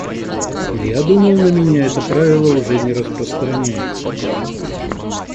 Я думал на меня это правило уже не распространяется.